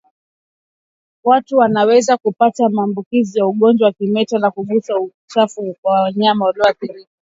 Watu wanaweza kupata maambukizi ya ugonjwa wa kimeta kwa kugusa uchafu wa wanyama walioathirika